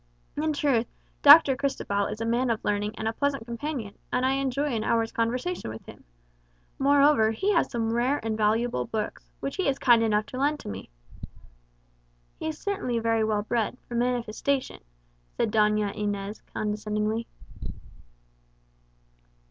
In truth, Doctor Cristobal is a man of learning and a pleasant companion, and I enjoy an hour's conversation with him. Moreover, he has some rare and valuable books, which he is kind enough to lend me." "He is certainly very well bred, for a man of his station," said Doña Inez, condescendingly.